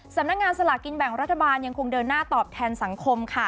สำนักงานสลากกินแบ่งรัฐบาลยังคงเดินหน้าตอบแทนสังคมค่ะ